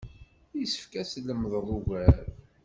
Isefk ad tlemdeḍ ugar.